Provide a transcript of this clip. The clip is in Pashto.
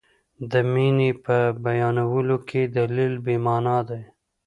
د مینې په بیانولو کې دلیل بې معنا دی.